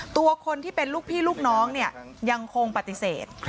ตัวคนที่เป็นลูกพี่ลูกน้องเนี่ยยังคงปฏิเสธ